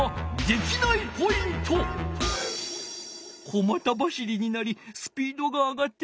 小また走りになりスピードが上がっておらん。